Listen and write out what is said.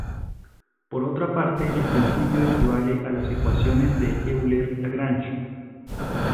Por otra parte el principio equivale a las ecuaciones de Euler-Lagrange.